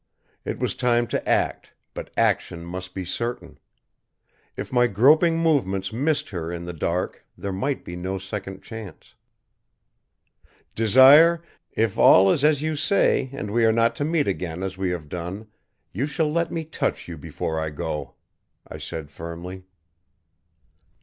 It was time to act, but action must be certain. If my groping movements missed her in the dark there might be no second chance. "Desire, if all is as you say and we are not to meet again as we have done, you shall let me touch you before I go," I said firmly.